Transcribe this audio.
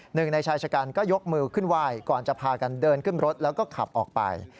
หนึ่งในชายชะกันก็ยกมือขึ้นไหว้ก่อนจะพากันเดินขึ้นรถแล้วก็ขับออกไป